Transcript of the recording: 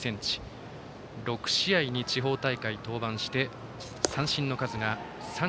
６試合に地方大会、登板して三振の数が３２。